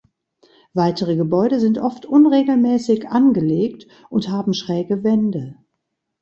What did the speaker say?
Weitere Gebäude sind oft unregelmäßig angelegt und haben schräge Wände.